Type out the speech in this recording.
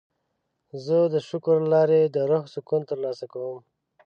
زه د شکر له لارې د روح سکون ترلاسه کوم.